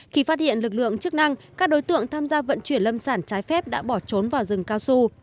khi phát hiện lực lượng chức năng các đối tượng tham gia vận chuyển lâm sản trái phép đã bỏ trốn vào rừng cao su